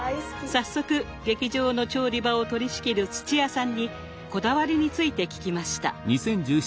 早速劇場の調理場を取りしきる土屋さんにこだわりについて聞きました。